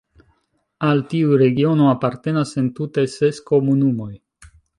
Al tiu regiono apartenas entute ses komunumoj.